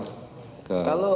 kalau johannes marlim